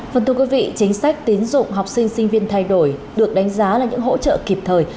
phần thưa quý vị chính sách tín dụng học sinh sinh viên thay đổi được đánh giá là những hỗ trợ kịp thời